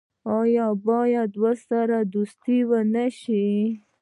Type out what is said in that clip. آیا باید ورسره دوستي ونشي؟